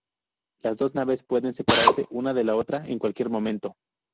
Las dos naves pueden separarse una de la otra en cualquier momento.